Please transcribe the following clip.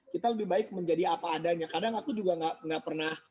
kita lebih baik menjadi apa adanya kadang aku juga gak pernah